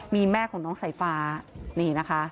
มีแม่ของน้องสายฟ้านี่นะคะ